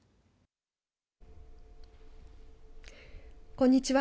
こんにちは。